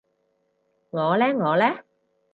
我呢我呢？